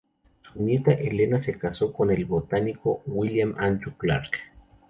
Su nieta Helena se casó con el botánico William Andrew Clark.